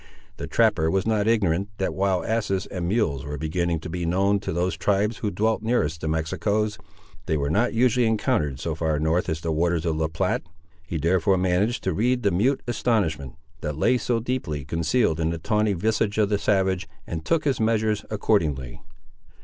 The trapper was not ignorant, that while asses and mules were beginning to be known to those tribes who dwelt nearest the Mexicos, they were not usually encountered so far north as the waters of La Platte. He therefore managed to read the mute astonishment, that lay so deeply concealed in the tawny visage of the savage, and took his measures accordingly.